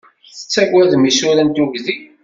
Tettagadem isura n tugdi?